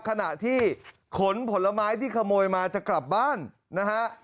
ขณะที่ขนผลไม้ที่ขโมยมาจะกลับบ้านนะฮะ